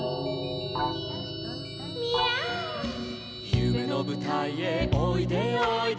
「ゆめのぶたいへおいでよおいで」